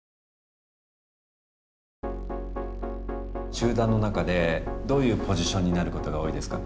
集団の中でどういうポジションになることが多いですか？